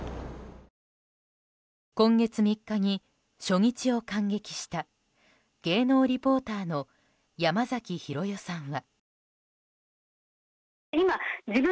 今月３日に初日を観劇した芸能リポーターの山崎寛代さんは。